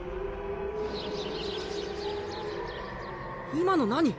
今の何？